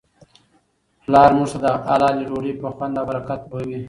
پلارموږ ته د حلالې ډوډی په خوند او برکت پوهوي.